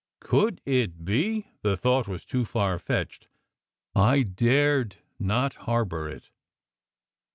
Could it be. ... The thought was too far fetched. I dared not harbour it.